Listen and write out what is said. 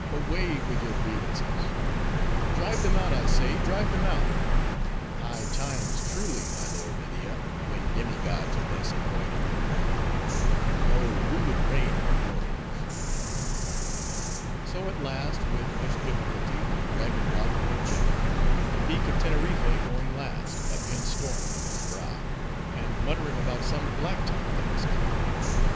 Away with your grievances! Drive them out, I say, drive them out!—High times, truly, my lord Media, when demi gods are thus annoyed at their wine. Oh, who would reign over mortals!" So at last, with much difficulty, the ragged rout were ejected; the Peak of Teneriffe going last, a pent storm on his brow; and muttering about some black time that was corning.